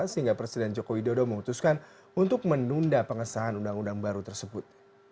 sehingga presiden joko widodo memutuskan untuk menunda pengesahan undang undang baru tersebut